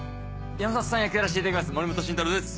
山里さん役やらせていただきます森本慎太郎です！